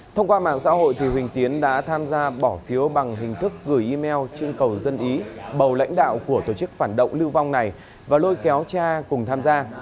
thông qua mạng xã hội huỳnh tiến đã tham gia bỏ phiếu bằng hình thức gửi email trưng cầu dân ý bầu lãnh đạo của tổ chức phản động lưu vong này và lôi kéo cha cùng tham gia